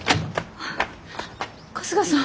春日さん！